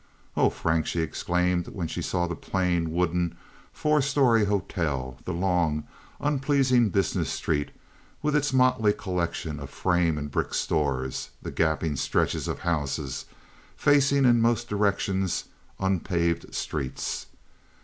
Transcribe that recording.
"Oh, Frank!" she exclaimed, when she saw the plain, wooden, four story hotel, the long, unpleasing business street, with its motley collection of frame and brick stores, the gaping stretches of houses, facing in most directions unpaved streets.